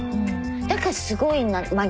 だからすごい真逆？